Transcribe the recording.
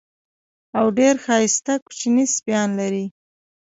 او ډېر ښایسته کوچني سپیان لري.